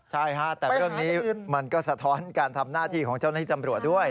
ใช่ฮะแต่เรื่องนี้มันก็สะท้อนการทำหน้าที่ของเจ้าหน้าที่ตำรวจด้วย